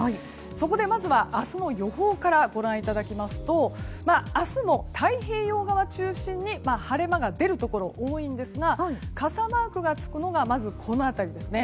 そこで、まずは明日の予報からご覧いただきますと明日も太平洋側中心に晴れ間が出るところ多いんですが傘マークがつくのがまずこの辺りですね。